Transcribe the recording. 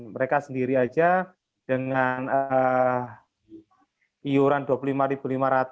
mereka sendiri aja dengan iuran rp dua puluh lima lima ratus